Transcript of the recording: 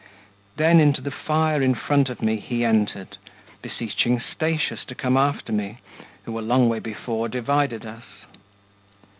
Then into the fire in front of me he entered, Beseeching Statius to come after me, Who a long way before divided us.